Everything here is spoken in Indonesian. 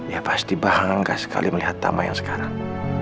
ya pasti bahan angka sekali melihat tama yang sekarang